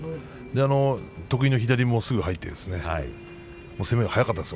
得意の左もすぐ入って攻めも速かったです。